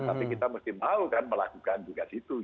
tapi kita mesti mau kan melakukan juga situ